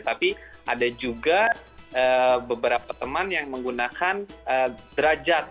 tapi ada juga beberapa teman yang menggunakan derajat